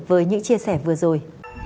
với những chia sẻ vừa rồi